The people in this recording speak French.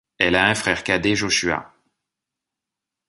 Elle a un frère cadet, Joshua.